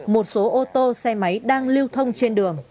một số ô tô xe máy đang lưu thông trên đường